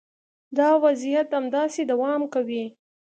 دا وضعیت همداسې دوام کوي